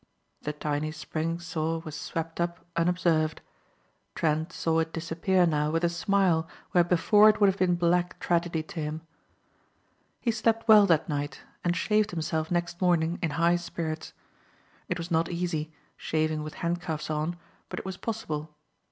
The tiny spring saw was swept up unobserved. Trent saw it disappear now with a smile where before it would have been black tragedy to him. He slept well that night and shaved himself next morning in high spirits. It was not easy, shaving with handcuffs on, but it was possible.